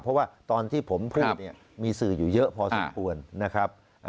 เพราะว่าตอนที่ผมพูดเนี่ยมีสื่ออยู่เยอะพอสมควรนะครับ